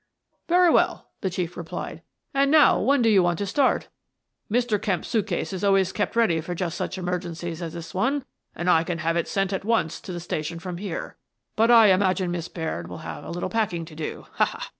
" Very well," the Chief replied. " And now, when do you want to start? Mr. Kemp's suit case is always kept ready for just such emergencies as this one, and I can have it sent at once to the station from here, but I imagine that Miss Baird will have a little packing to do. Ha, ha!